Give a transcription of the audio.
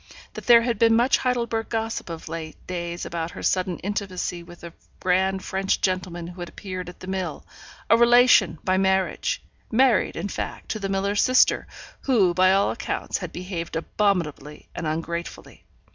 That there had been much Heidelberg gossip of late days about her sudden intimacy with a grand French gentleman who had appeared at the mill a relation, by marriage married, in fact, to the miller's sister, who, by all accounts, had behaved abominably and ungratefully.